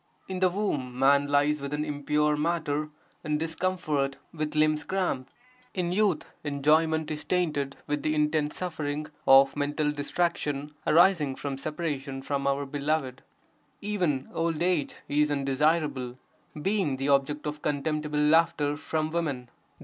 In the womb man lies within impure matter in discomfort with limbs cramped; in youth enjoyment is tainted with the intense suffering of mental distraction arising from separation from our beloved; even old age (is undesirable), being the object of contemptible laughter from women.